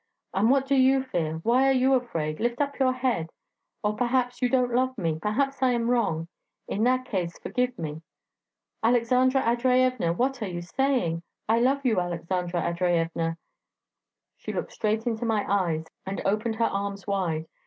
And what do you fear? why are you afraid? Lift up your head... Or, perhaps, you don't love me; perhaps I am wrong... In that case, forgive me.' 'Aleksandra Andreyevna, what are you saying!... I love you, Aleksandra Andreyevna.' She looked straight into my eyes, and opened her arms wide.